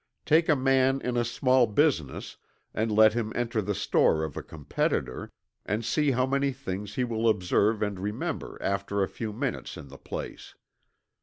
Take a man in a small business, and let him enter the store of a competitor, and see how many things he will observe and remember after a few minutes in the place.